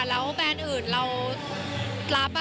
แล้วแบรนด์อื่นเรารับ